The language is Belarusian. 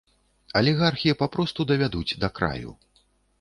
Алігархі папросту давядуць да краю.